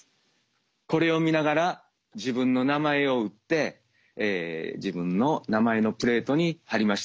これを見ながら自分の名前を打って自分の名前のプレートに貼りました。